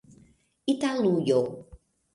italujo